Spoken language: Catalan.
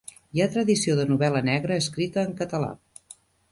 Hi ha tradició de novel·la negra escrita en català